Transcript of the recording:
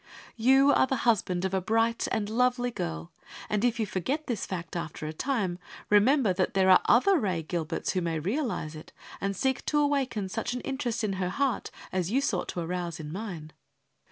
You are the husband of a bright and lovely girl, and if you forget this fact after a time, remember there are other Ray Gilberts who may realize it, and seek to awaken such an interest in her heart as you sought to arouse in mine.